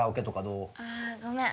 あごめん。